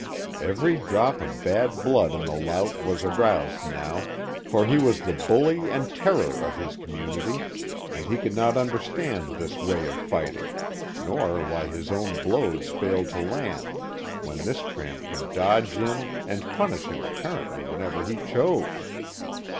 Every drop of bad blood in the lout was aroused now, for he was the bully and terror of his community, and he could not understand this way of fighting, nor why his own blows failed to land when this tramp could dodge in and punish him apparently whenever he chose.